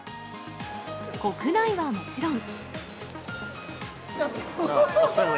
国内はもちろん。